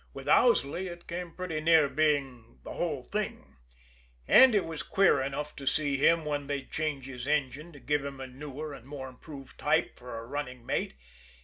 With Owsley it came pretty near being the whole thing, and it was queer enough to see him when they'd change his engine to give him a newer and more improved type for a running mate.